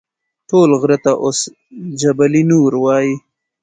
ټول غره ته اوس جبل نور وایي.